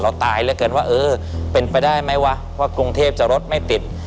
ตายเหลือเกินว่าเออเป็นไปได้ไหมวะว่ากรุงเทพจะรถไม่ติด